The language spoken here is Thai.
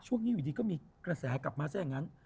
ช่วงนี้อยู่ดีก็มีกระแสกลับมาซะอย่างนั้น